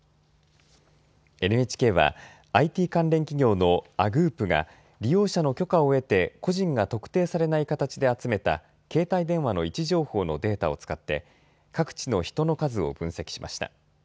ＮＨＫはＩＴ関連企業のＡｇｏｏｐが利用者の許可を得て個人が特定されない形で集めた携帯電話の位置情報のデータを使って各地の人の数を分析しました。